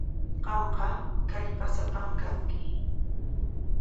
Qamqa kallpasapam kanki.